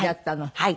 はい。